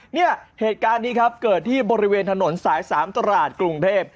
เนี่ยเหตุการณ์นี้ครับเกิดที่บริเวณถนนสาย๓ตลาดกรุงเทพ